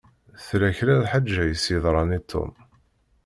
Tella kra lḥeǧa i s-yeḍṛan i Tom.